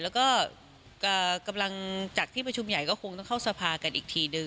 แล้วก็กำลังจากที่ประชุมใหญ่ก็คงต้องเข้าสภากันอีกทีนึง